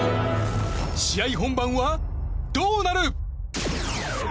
試合本番は、どうなる？